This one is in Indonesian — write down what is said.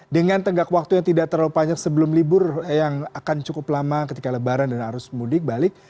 dengan tenggak waktu yang tidak terlalu panjang sebelum libur yang akan cukup lama ketika lebaran dan arus mudik balik